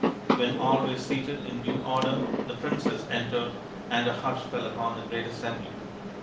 When all were seated in due order the princess entered and a hush fell upon the great assembly.